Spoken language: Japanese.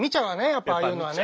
やっぱああいうのはね。